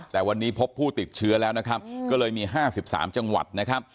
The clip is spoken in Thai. แต่วันนี้พบผู้ติดเชื้อแล้วก็เลยมี๕๓จังหวัด